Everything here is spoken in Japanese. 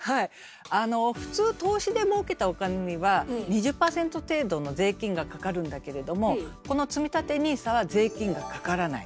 普通投資でもうけたお金には２０％程度の税金がかかるんだけれどもこのつみたてＮＩＳＡは税金がかからない。